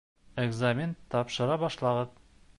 Экзамен тапшыра башлағыҙ